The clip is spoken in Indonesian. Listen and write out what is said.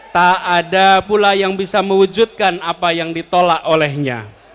tak ada pula yang bisa mewujudkan apa yang ditolak olehnya